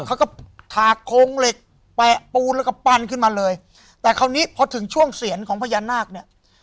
เขาก็ถากโครงเหล็กแปะปูนแล้วก็ปั้นขึ้นมาเลยแต่คราวนี้พอถึงช่วงเสียนของพญานาคเนี่ย